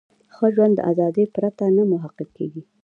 ښه ژوند له ازادۍ پرته نه محقق کیږي.